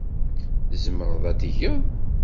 Tzemreḍ ad t-tgeḍ.